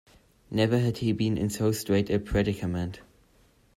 Never had he been in so strait a predicament.